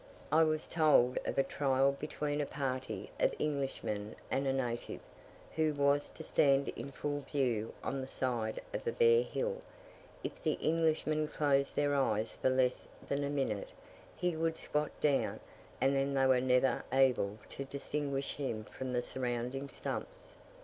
I was told of a trial between a party of Englishmen and a native, who was to stand in full view on the side of a bare hill; if the Englishmen closed their eyes for less than a minute, he would squat down, and then they were never able to distinguish him from the surrounding stumps.